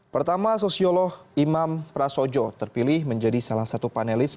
pertama sosiolog imam prasojo terpilih menjadi salah satu panelis